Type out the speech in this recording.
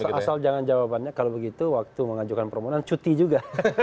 asal jangan jawabannya kalau begitu waktu mengajukan permohonan cuti juga